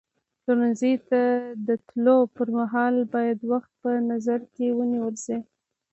پلورنځي ته د تللو پر مهال باید وخت په نظر کې ونیول شي.